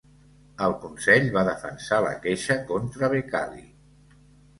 El Consell va defensar la queixa contra Becali.